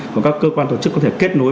của các cơ quan tổ chức có thể kết nối